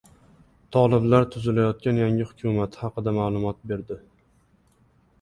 Toliblar tuzilayotgan yangi hukumati haqida ma’lumot berdi